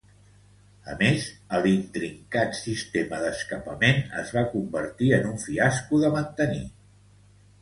A més, el intricat sistema d'escapament es va convertir en un fiasco de mantenir.